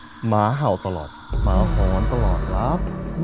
หมาเห่าตลอดหมาหอนตลอดครับ